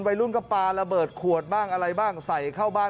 วัยรุ่นก็ปลาระเบิดขวดบ้างอะไรบ้างใส่เข้าบ้าน